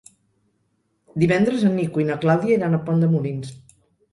Divendres en Nico i na Clàudia iran a Pont de Molins.